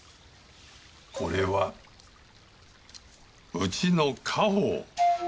これはうちの家宝。